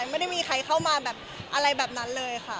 ไม่ได้มีใครเข้ามาแบบอะไรแบบนั้นเลยค่ะ